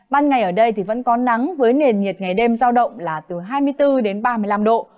ban ngày ở đây thì vẫn có nắng với nền nhiệt ngày đêm giao động là từ hai mươi bốn đến ba mươi năm độ